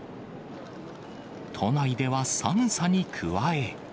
都内では寒さに加え。